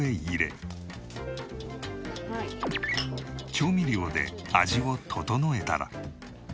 調味料で味を調えたら。